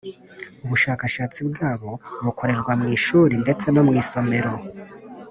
Ubushakashatsi bwabo bukorerwa mu ishuri ndetse no mu isomero.